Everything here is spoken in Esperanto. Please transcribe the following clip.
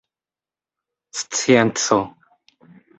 scienco